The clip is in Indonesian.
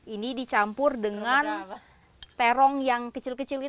ini dicampur dengan terong yang kecil kecil itu ya